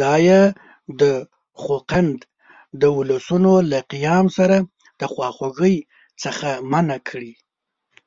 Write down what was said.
دا یې د خوقند د اولسونو له قیام سره د خواخوږۍ څخه منع کړي.